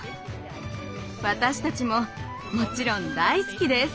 私たちももちろん大好きです。